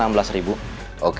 saya beresin besok